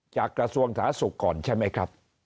กระทรวงสาธารณสุขก่อนใช่ไหมครับ